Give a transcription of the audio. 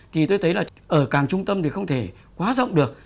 thì tôi thấy là ở càng trung tâm thì không thể quá rộng được